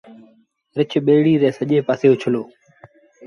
رڇ ٻيڙيٚ ري سڄي پآسي اُڇلو